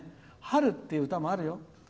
「春」っていう歌もあるよ。